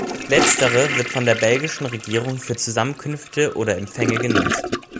Letztere wird von der belgischen Regierung für Zusammenkünfte oder Empfänge genutzt.